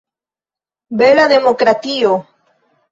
Bela demokratio!